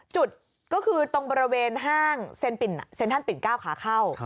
จุดก็คือตรงบริเวณห้างเซ็นต์ปิ่นเซ็นต์ท่านปิ่นเก้าขาเข้า